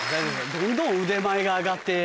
どんどん腕前が上がって。